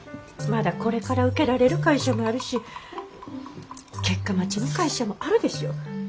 まだこれから受けられる会社もあるし結果待ちの会社もあるでしょ。